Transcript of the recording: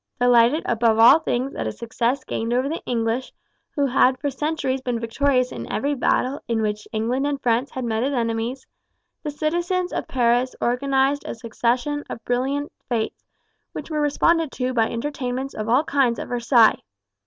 Delighted above all things at a success gained over the English, who had for centuries been victorious in every battle in which England and France had met as enemies, the citizens of Paris organized a succession of brilliant fetes, which were responded to by entertainments of all kinds at Versailles.